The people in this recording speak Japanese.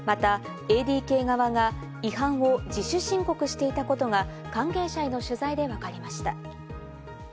また、ＡＤＫ側が違反を自主申告していたことが関係者への取材でわかりました。